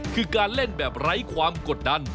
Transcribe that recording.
คือการเล่นแบบไร้ความกดดัน